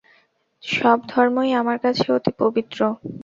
সব ধর্মই আমার কাছে অতি পবিত্র।